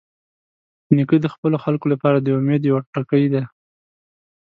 نیکه د خپلو خلکو لپاره د امید یوه ټکۍ ده.